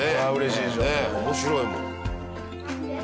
面白いもん。